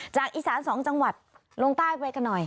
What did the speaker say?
อีสาน๒จังหวัดลงใต้ไปกันหน่อย